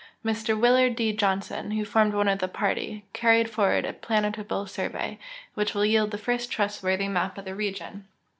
Mr Millard D. Johnson, who formed one of the party, carried forward a planetable survey, which will yield the first trirstworthy map of the region.